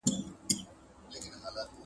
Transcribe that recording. خواري کې هغه مينځي، چي دمينځي کالي مينځي.